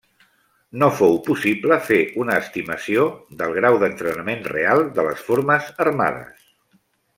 No fou possible fer una estimació del grau d'entrenament real de les formes armades.